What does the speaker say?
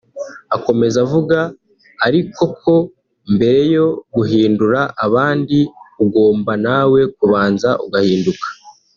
Akomeza avuga ariko ko mbere yo guhindura abandi ugomba nawe kubanza ugahinduka